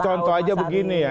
contoh aja begini ya